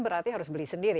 jadi tau tau ya pekerja